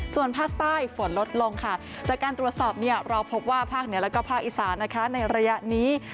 จนภาคใต้ฝนลดลงค่ะแต่การตรวจสอบเราพบว่าภาคเหนียวและภาคอีสานในระยะนี้